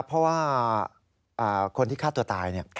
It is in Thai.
เพราะว่าคนที่ฆ่าตัวตาย